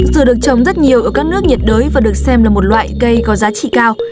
dừa được trồng rất nhiều ở các nước nhiệt đới và được xem là một loại cây có giá trị cao